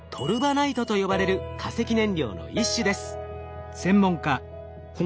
ナイトと呼ばれる化石燃料の一種です。